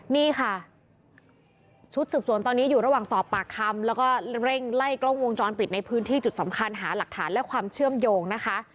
นี่ค่ะชุดสืบสวนตอนนี้อยู่ระหว่างสอบปากคำแล้วก็เร่งไล่กล้องวงจรปิดในพื้นที่จุดสำคัญหาหลักฐานและความเชื่อมโยงนะคะ